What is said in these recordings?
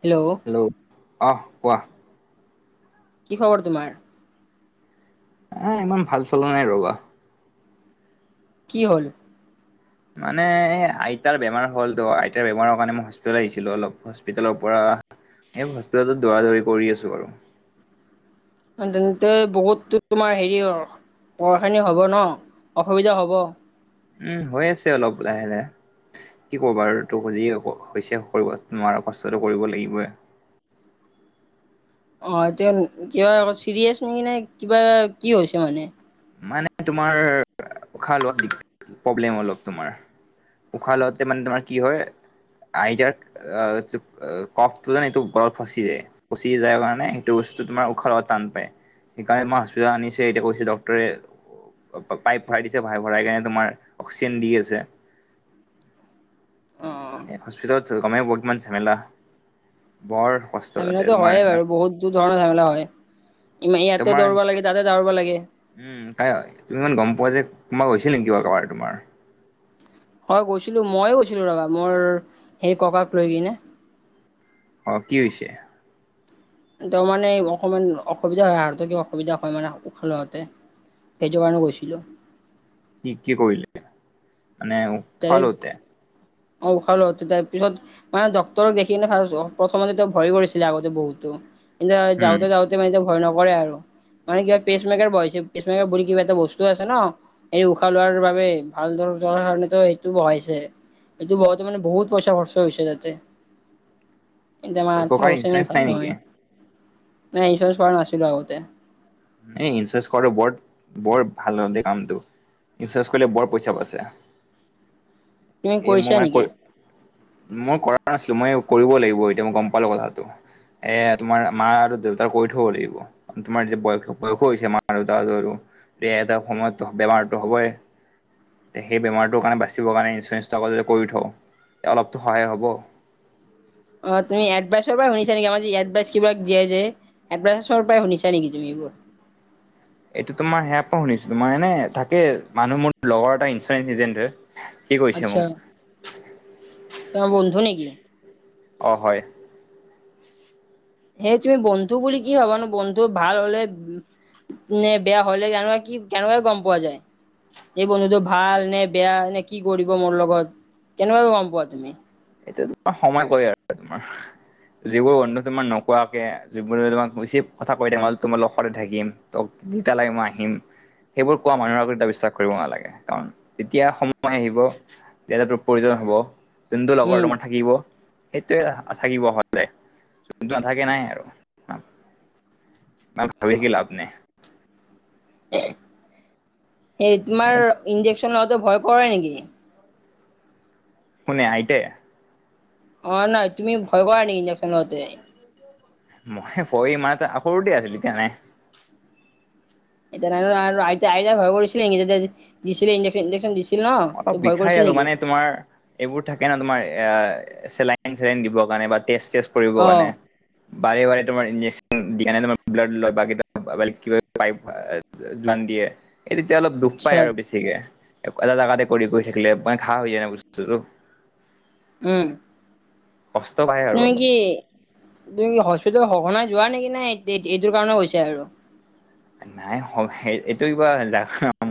Hello অহ কোৱা কি খবৰ তোমাৰ? এ ইমান ভাল চলা নাই ৰবা কি হল মানে এ আইতাৰ বেমাৰ হ'ল তো আইতাৰ বেমাৰৰ কাৰণে মই হস্পিতোল আহিছিলো অলপ হস্পিতালৰ পৰা। এই হস্পিতলত দৌৰা দৌৰি কৰি আছো আৰু তেন্তে বহুতো তোমাৰ হেৰি অ পঢ়াখিনি হ'ব ন অসুবিধা হ'ব। উম হৈ আছে অলপ লাহে লাহে। কি কবা আৰু তোক যি হৈছে কৰিব নোৱাৰা কষ্টটো কৰিব লাগিবই [inaudible] অ এতিয়া কিবা চিৰিয়েছ নেকি নে কিবা কি হৈছে মানে মানে তোমাৰ উশাহ লোৱা প্ৰব্লেম অলপ তোমাৰ। উশাহ লওঁতে মানে তোমাৰ কি হয়। আইতাৰ কফটো যে গলত ফচি যায় ফচি যায় কাৰণে সেইটো উশাহ লোৱাত টান পাই সেইকাৰণে মই হস্পিতাল অনিছোঁ এতিয়া কৈছে ডক্তৰে পাইপ ভৰাই দিছে ভ ভৰাই কাৰনে তোমাৰ অক্সিজেন দি আছে [inaudible] অ এ হস্পিতেলত আছোঁ গমে বহুত মান জেমেলাহ। বৰ কষ্ট তাতে ঝামেলাটো হয়ে তোমাৰ বাৰু বহুতো ধৰণৰ ঝামেলা হয় ইমান ইয়াতে তোমাৰ দৌৰিব লাগে তাতে দৌৰিব লাগে উম তাই তুমি ইমান গম পোৱা যে তোমাক হৈছিল নে কিবা কাৰোবাৰ তোমাৰ। হয় গৈছিলোঁ মই গৈছিলোঁ ৰবা মোৰ হে ককাক লৈ কেনে অ কি হৈছে তাৰ মানে অকমান অসুবিধা হয় হাৰত কিবা অসুবিধা হয় মানে উশাহ লওঁতে সেইটো কাৰণে গৈছিলোঁ কি কি কৰিলে মানে তাই উশাহ লওঁতে অ উশাহ লওঁতে তাৰ পিছত মানে ডক্তৰক দেখি কিনে ভাবিছোঁ প্ৰথমতে তেওঁ ভৰি কৰিছিলে আগতে বহুতো উম যাওঁতে যাওঁতে মানে এতিয়া ভয় নকৰে আৰু। মানে কিবা পেচকেমাৰ বই আছে পেচমেকাৰ বুলি কিবা এটা বস্তু আছে ন এই উশাহ লোৱাৰ বাবে ভাল ধৰ। [unintelligible] কাৰণে ত সেইটো বহাইছে এইটো বহাওতে মানে বহুত পইচা খৰচ হৈছে তাতে আমাৰ আৰ্থিক ককাৰ অৱস্থা ইমান ইঞ্চুৰেঞ্চ ভাল নাই নেকি নহয় ইঞ্চৰেঞ্চ কৰা নাছিলো আগতে এই ইঞ্চুৰেঞ্চ কৰ বৰ বৰ ভাল দে কামটো ইঞ্চুৰেঞ্চ কৰিলে বৰ পইচা বাছে তুমি এই মোৰ কৰিছা মানে কৰি নেকি মই কৰা নাছিলো মই কৰিব লাগিব এতিয়া মই গম পালো কথাটো এ তোমাৰ মা আৰু দেউতাক কৰি থব লাগিব তোমাৰ যেতিয়া বয়স বয়স হৈছে মাৰ তাৰ আৰু এটা সময়তো বেমাৰতো হ'বই তে সেই বেমাৰটোৰ কাৰণে বাচিব কাৰণে ইঞ্চুৰেঞ্চ এটা কৰি থওঁ অলপতো সহায় হ'ব। অ তুমি এডভাইচৰ পৰা শুনিছা নেকি আমাৰ যে এডভাইচ কিবাক দিয়াই যে এডভাইৰ পৰা শুনিছা নেকি তুমি এইবোৰ [unintelligible] এইটো তোমাৰ সেয়াপ পৰা শুনিছোঁ তোমাৰ এনে থাকে মানুহ মোৰ লগৰ এটা ইঞ্চুৰেঞ্চ এজেন্ট হয়। কি কৈছে আচ্ছা মোক? তোমাৰ বন্ধু নেকি অ হয় সেই তুমি বন্ধু বুলি কি ভাবানো বন্ধু ভাল হ'লে নে বেয়া হ'লে কেনেুৱা কি কেনেকুৱাই গম পোৱা যায়? এই বন্ধুতটো ভাল নে বেয়া নে কি কৰিব মোৰ লগত কেনেকুৱাকে গম পোৱা তুমি? এতিয়া তোমাৰ সময় কয় আৰু তোমাৰ। যিবোৰ বন্ধু তোমাৰ নোকোৱাকে যিবোৰ তোমাক হৈছিব কথা কৈ থাকে তোমাৰ লগতে থাকিম গী তালাই মই আহিম সেইবোৰ কোৱা মানুহৰ আগত এতিয়া বিশ্বাস কৰিব নালাগে কাৰণ তেতিয়া সময় আহিব তেতিয়া টো প্ৰয়োজন। হ'ব উম বৰ্তমান থাকিব। সেইটোৱে থাকিব হ'লে যোনটো নাথাকে নাই আৰু ইমান ভাবি থাকি লাভ নাই সেই তোমাৰ ইঞ্জেকচন লগাওটে ভয় কৰে নেকি? শুনে আইটে অ নাই, তুমি ভয় কৰা নকি? ইঞ্জেকশ্বনতে লওতে মই ভৰি ই মাৰ ত সৰুতে আছিল এতিয়া নাই এতিয়া [unintelligible] আই ভয় কৰিছিলে দিছিলেনেন দিছিলে ন ত অলপ ভয় বিষাই কৰিছিল আৰু নেকি মানে তোমাৰ এইবোৰ থাকে ন তোমাৰ এ চেলাইন চেলাইন দিবৰ কাৰণে বা টেষ্ট টেষ্ট কৰিবৰ অ কাৰণে বাৰে বাৰে তোমাৰ ইঞ্জেকচন দিম ব্লাড লয় [unintelligible] দিয়ে এই তেতিয়া অলপ দুখ আচ্ছা পায় আৰু বেছিকে এটা জাতে কৰি কৰি গৈ থাকিলে মানে ঘাহ হৈ যায় ন বস্তুটো উম কষ্ট পায় আৰু তুমি কি অলপ তুমি হস্পিতেল সঘনাই যোৱা নেকি নাই এইটোৰ কাৰণে গৈ হৈছে আৰু নাই এইটো কিবা জা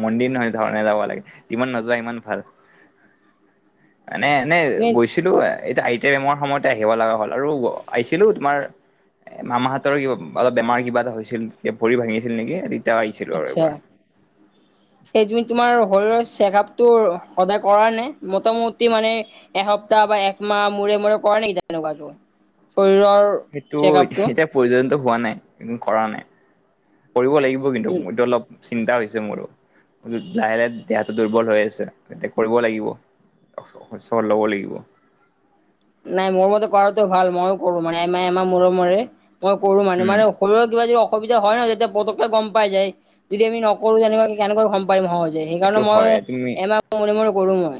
মন্দিৰ নহয় ধৰণে যাব লাগে যিমান নোযোৱা ইমান ভাল মানে এনে তুমি গৈছিলো এতিয়া আইতাৰ এই বেমাৰ সময়তে আহিব লগা হ'ল আৰু আহিছিলো তোমাৰ এ মামাহতৰ কিবা অলপ বেমাৰ কিবা এটা হৈছিল তেতিয়া ভৰি ভাঙিছিল নেকি আহিছিলো আৰু আত্ছা এবাৰ। সেইটো‌ তোমাৰ শৰীৰৰ চেকআপতটো সদায় কৰা নাই মোটামুটি মানে এসপ্তাহ বা একমাহ মোৰে থাকিব পৰি নেকি তেনেকুৱা তেনেকুৱাকো [unintelligible] সেইটো এতিয়া প্ৰয়োজন ত হোৱা নাই কৰা নাই কৰিব লাগিব কিন্তু উম এইটো অলপ চিন্তা হৈছে মোৰো। লাহে লাহে দেহটো দুৰ্বল হৈ আছে এতিয়া কৰিব লাগিব চৰ লব লাগিব নাই মোৰ মতে কৰাটো ভাল, মইও কৰো মানে আমাই এমা মোৰ মৰে মই কৰো মানে উম মানে শৰীৰৰ কিবা যদি অ সুবিধা হয় ন তেতিয়া পতককে গম পাই যায়, যদি আমি নকৰো তেনেকুৱাকে কেনেকৈ গম পাম সহজ এইটো সেইকাৰণে হয় মই তুমি এমাহ মনে ম কৰো মই।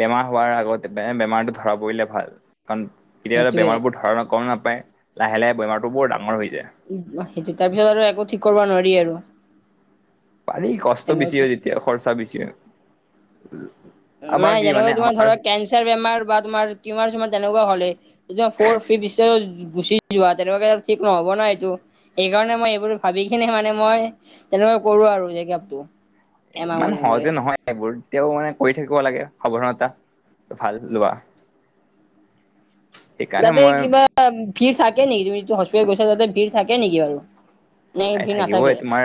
বেমাৰ হোৱাৰ আগতে বে বেমাৰটো ধৰা পৰিলে ভাল, কাৰণ কেতিয়া হলে সেইটোৱে বেমাৰবোৰ ধৰা নকৰ ন পায়, লাহে লাহে বেমাৰতো বৰ ডাঙৰ হৈ যায়। উ সেইটো তাৰ পিছত আৰু একো ঠিক কৰিব নোৱাৰি আৰু পানী কষ্ট বেছি তেনেকুৱাকে হয় যেতিয়া খৰচা বেছি হয় আমাৰ নাই কি যেনেকুৱা মানে তোমাৰ আমাৰ ধৰক কেঞ্চাৰ বেমাৰ বা তোমাৰ টিউমাৰ চমাৰ তেনেকুৱা হলে এতিয়া ফৰ ফিফচত গুচি যোৱা তেনেকুৱে ঠিক নহব ন এইটো সেইকাৰণে মই এইবোৰ ভাবি কিনে মানে মই তেনে কৰো আৰু চেকাপটো ইমান সহজে নহয় এইবোৰ তেতিয়াও মানে কৰি থাকিব লাগে সাৱধানতা ভাল লোৱা সেইকাৰণে তাতে মই কিবা ভিৰ থাকে নেকি তুমি ত হস্পিতেল গৈছা তাতে ভিৰ থাকে নেকি বাৰু নে ভিৰ থাকিবই নাথাকে তোমাৰ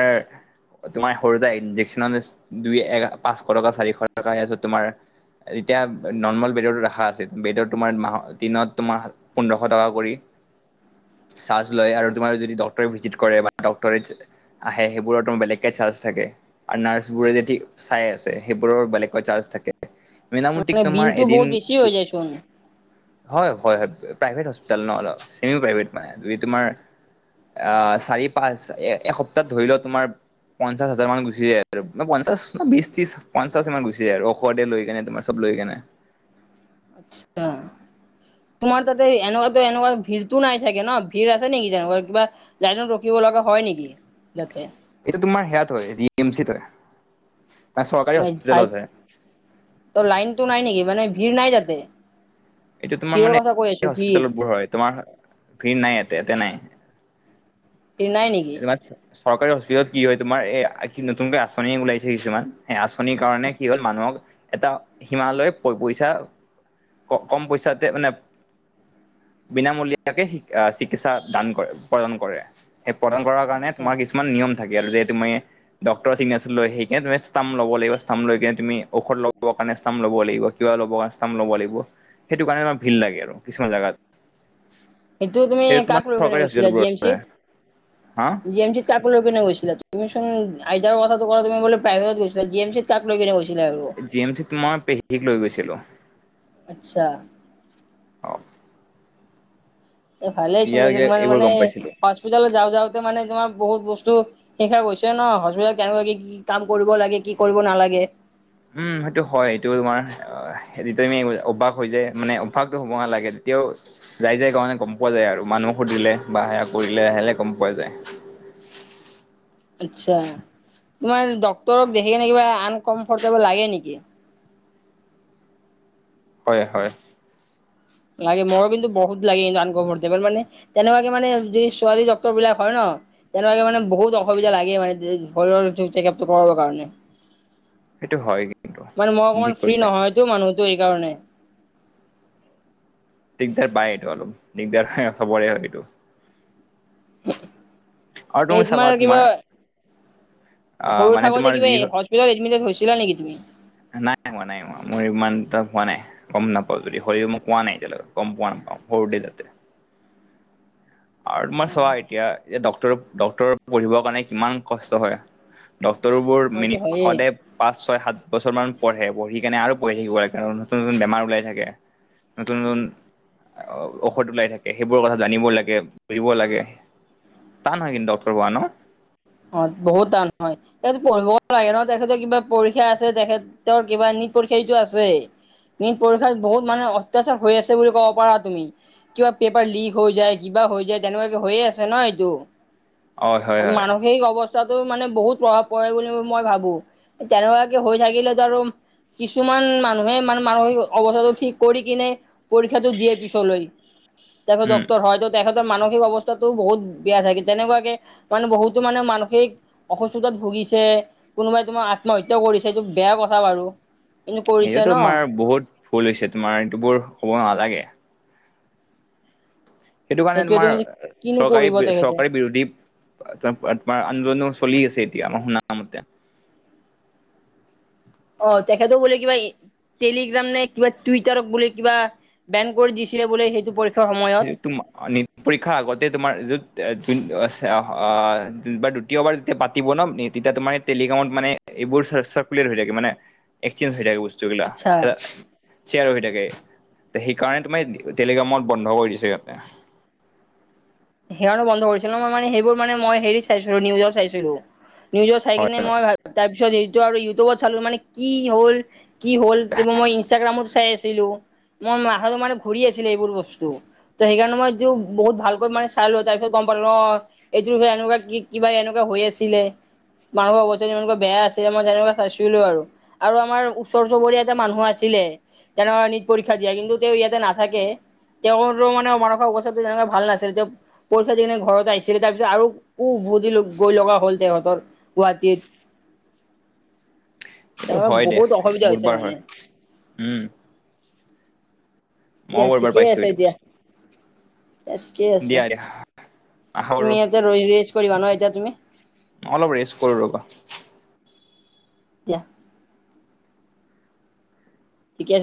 তোমাৰ সৰুতে ইনজেকচন দুই এক পাঁচশ টকা চাৰিশ টকা আছে তোমাৰ এতিয়া নৰ্মেল বেডৰ ৰখা আছিল বেডৰ তোমাৰ মাহ দিনত তোমাৰ পোন্ধৰশ টকা কৰি চছ লয় আৰু তোমাৰ যদি ডক্টৰে ভিজিট কৰে বা ডক্টৰে আহে সেইবোৰতো বেলেগকে চান্স থাকে আৰু নাৰ্ছ বোৰে যদি চাই আছে সেই বোৰৰ বেলেগকৈ চাৰ্জ থাকে মনামতিক মানে তোমাৰ বিলটো এদিন বহুত বেছি হৈ যায়চোন হয় হয় হয় প্ৰভেট হস্পিতাল ন অলপ চেমিও প্ৰভেট মান তোমাৰ আহ চাৰি পাঁচ এ এসপ্তাহ ধৰি লও তোমাৰ পঞ্চাশ হাজাৰ মান গুচি যায় আৰু ন পঞ্চাশ ন বিশ ত্ৰিশ পঞ্চাশ মান গুচি যায় ঔষধে লৈ কেনে তোমাৰ চব লৈকেনে আচ্ছা তোমাৰ তাতে এনেকুৱা এনেকুৱা ভিৰতো নাই চাগে ন? ভিৰ আছে নেকি যেনেকুৱা কিবা লাইনত ৰখি লগা হয় নেকি যাতে? এইটো তোমাৰ সেয়াত হয় জি এম চিত হয়। চৰকাৰী নে ঠাইত হস্পিতেলতে। ত লাইনতটো নাই নেকি মানে ভিৰ নাই যাতে? এইটো তোমাৰ মানে হস্পিতালবোৰত হয়, তোমাৰ ভিৰ নাই ইয়াতে তেনে। নাই নিকি? চৰকাৰী হস্পিতালত কি হয় তোমাৰ এ কি নতুনকৈ আঁচনি ওলাইছে কিছুমান সেই আঁচ থনিৰ কাৰণে কি হ'ল মানুহক এটা হিমালয় প- পইচা ক -কম পইচাতে মানে বিনামূলীয়াকে শী আহ চিকিৎসা দান কৰে প্ৰদান কৰে। সে প্ৰদান কৰাৰ কাৰনে আচ্ছা তোমাৰ কিছুমান নিয়ম থাকে আৰু যে তুমি ডক্তৰ চিনেচ লৈ সেই তুমি টাম ল'ব লাগিব, ষ্টাম লৈ কিনে তুমি ঔষধ লব কাৰণে ষ্টাম লব লাগিব কিয় ল'ব ষ্টাম ল'ব লাগি সেইটো কাৰণে আমাৰ ভিৰ লাগে আৰু কিছুমান জাগাত। এইটো তুমি সেইটো তোমাৰ কাক ৰোগ নে চৰকাৰী গৈচিলা জি হস্পিটেলবোৰত এম চিত, হা জি এম চিত কাক লৈ কিনে গৈ চিলা, তুমি চোন আইতা ৰৰ কথাটো তুমিলে প্ৰাইভেটত গৈছিলা জি এম ছিত কাক লৈ কিনে গৈ জি এম চি তোমাৰ পেহীক লৈ গৈছিলো। আচ্ছা। অ। এ ভালে তেতিয়া চোনে তোমাৰ এইবোৰ মানে গম পাইছিলো। হস্পিটাল যাওঁ যাওঁ মানে তোমাৰ বহুত বস্তু শিকা গৈছে ন হস্পিতেল কেনেকুৱা কি কাম কৰিব লাগে কি কৰিব নালাগে? এ উম সেইটো হয় এইটো তোমাৰ এ যিটো তুমি অভ্যাস হৈ যায় মানে অভ্যাসটো হব নালাগে। এতিয়াও যাই যাই কাৰণে গম পোৱা যায় আৰু মানুহক সুধিলে বা সেয়া কৰিলে আহিলে গম পোৱা যায়। [inaudible] আচ্ছা। তোমাৰ ড্ক্তৰক দেখি কিনে কিবা আনকমফৰ্টেবল লাগে নেকি? হয় হয়। লাগে মোৰো কিন্তু বহুত লাগে আনকমফৰ্টেবল মানে তেনেকুৱাকে মানে যি ছোৱালী ডক্তৰ বিলাক হয় ন তেনেকুৱাকে মানে বহুত অসুবিধা লাগে মানে শৰীৰৰ চেকআপ কৰিবৰ কাৰণে। সেইটো হয় কিন্তু মানে মই ঠিক অকমান ফ্ৰী কৈছা নহয়তো মানুহটো এইকাৰণে। দিগদাৰ পায় এইটো অলপ দিগদাৰ হয় সবৰে হয় এইটো। হু আৰু এই তুমি চাবা তোমাৰ কিবা আহ সৰু মানে তোমাৰ থাকোতে যি কিবা হস্পিতত এডমিটেড হৈছ দিলা নেকি তুমি? নাইহোৱা নাইহোৱা মোৰ ইমান এটা হোৱা নাই গম নাপাওঁ যদি শৰি মই কোৱা নাই এতিয়ালৈক গম পোৱা নাপাওঁ সৰুতে যাতে। [inaudible] আৰু তোমাৰ অ চোৱা এতিয়া ডক্টৰ -ডক্টৰ পঢ়িবৰ কাৰণে কিমান কষ্ট হয়। ডক্টৰবোৰ মিনি হয়তো হয়ে। সদায় পাঁচ, ছয় -সাত বছৰমান পঢ়ে পঢ়ি কেনে আৰু পৰি থাকিব লাগে কাৰণ নতুন- নতুন বেমাৰ ওলাই থাকে। নতুন- নতুন অ ঔষধ ওলাই থাকে সেইবোৰৰ কথা জানিবই লাগে ৰিব লাগে, টান হয় কিন্তু ডক্টৰ হোৱা ন? অ বহুত টান হয়। এই পঢ়িব লাগে ন তেখেতৰ কিবা পৰীক্ষা আছে, তেখেতৰ তেওঁৰ কিবা নিট পৰীক্ষা এইটো আছে। নিট পৰীক্ষাত বহুত মানে অত্যাচাৰ হৈ আছে বুলি ক'ব পাৰা তুমি। কিবা পেপাৰ লিক হৈ যায়, কিবা হৈ যায় তেনেকুৱাকে হৈয়ে আছে ন এইটো। অ হয় হয়। অৱস্থাতো মানে বহুত প্ৰভাৱ পৰে বুলি মই ভাবো। তেনেকুৱাকে হৈ থাকিলেতো আৰু কিছুমান মানুহে মানে মানসিক অৱস্থাটো ঠিক কৰি কিনে পৰীক্ষাটো দিয়ে পিছলৈ তেখত উম ডক্টৰ হয় তেখেত মানসিক অৱস্থাটো বহুত বেয়া থাকে তেনেকুৱাকে মানে বহুত তো মানে মানসিক অসুস্থতাত ভুগিছে, কোনোবাই তোমাৰ আত্মহত্যা কৰিছে এইটো বেয়া কথা বাৰু। কিন্তু কৰিছে সেটো ন তোমাৰ বহুত ভুল হৈছে তোমাৰ এইটো বোৰ হ'ব নালাগে। সেইটো কাৰণে সেইটোৱেতো তোমাৰ কিন্তু কিনো চৰকাৰী কৰিব তেখেতে চৰকাৰী বিৰোধী ত তোমাৰ আন্দোলনো চলি আছে সোনামতে অ তেখেতে বলে কিবা টেলিগ্ৰাম নে কিবা টুইটাৰক বুলি কিবা বেন কৰি দিছিলে বোলে সেইটো পৰক্ষা সেই তোম নিত পৰীক্ষাৰ আগতে তোমাৰ যত আ দ্বিতীয়বাৰ যেতিয়া পাতিব ন তেতিয়া তোমাৰ টেলিকমত মানে এইবোৰ হৈ থাকে মানে এক্সেঞ্জ হৈ থাকে বস্তু আচ্ছা চেয়াৰ হৈ থাকে। সেইকাৰণে টেলিগ্ৰামত বন্ধ কৰি দিছে ইয়াতে। সেইকাৰণে বন্ধ কৰিছিল ন মই মানে সেইবোৰ মানে মই হেৰি চাইছো নিউজৰ চাইছিলো। নিউজত চাই হয় কিনে হয় মই ভ তাৰপিছত স আৰু ইউটিউবত চালো মানে কি হ'ল কি হল মই ইনষ্টাগ্ৰামত চাই আছো ম মাথাটো মানে ঘূৰি আছিলে এইবোৰ বস্তু ত সেইকাৰণে মই এইটো বহুত ভালকৈ মানে চাইলো তাৰ পিছত গম পালো ন এইটোত এনেকুৱা কি কিবা এনেকুৱা হৈ আছিলে মানুহৰ অৱস্থা ইনকা বেয়া আছিল আমই তেনেকুৱা চাইছিলো আৰু আমাৰ ওচৰ চুবুৰীয়া এটা মানুহ আছিল তেনকা নিত পৰীক্ষা দিয়া কিন্তু তেওঁ ইয়াতে নাথাকে তেওঁৰো মানে মানোৱা কথাটো যেনেকে ভাল নাছিল তেওঁ পৰীক্ষা দি কিনে ঘৰত আহিছিলে তাৰ পিছত আৰু উভতি গৈ লগা হ'ল তেহঁতৰ গুৱাহাটীত। এইটো তেনেকুৱা হয় দিয়া বহুত অসুবিধা হৈছে বুধবাৰ মানে হয় উম ই মইও বুধবাৰ থিকেই পাইছো আছে এইটো দিয়া। বস্তু তিকেই আছে দিয়া দিয়া আহা কৰো তুমি ইহতে ৰ ইজ কৰিবা ন এতিয়া তুমি? অলপ ৰেষ্ট কৰি ৰবা। দিয়া। ঠিকে